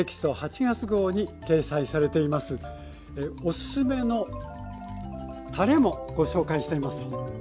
おすすめのたれもご紹介しています。